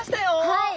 はい。